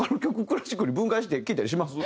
クラシックに分解して聴いたりします？